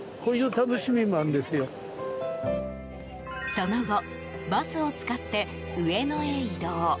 その後バスを使って上野へ移動。